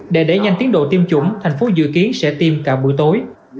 để đẩy nhanh tiến độ tiêm chủng thành phố dự kiến sẽ tiêm cả buổi tối